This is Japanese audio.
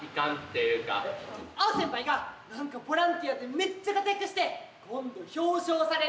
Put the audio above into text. アオ先輩が何かボランティアでめっちゃ活躍して今度表彰されるって。